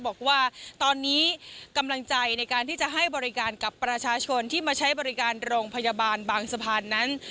บอกว่าตอนนี้กำลังใจในการที่จะให้บริการกับประชาชนที่มาใช้บริการโรงพยาบาลบางสะพานนั้น